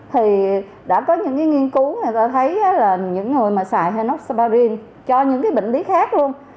thì đã có những cái nghiên cứu người ta thấy là những người mà xài henoxaparin cho những cái bệnh lý khác luôn